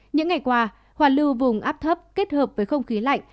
những ngày qua hoàn lưu vùng áp thấp kết hợp với không khí lạnh